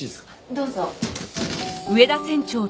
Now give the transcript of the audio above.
どうぞ。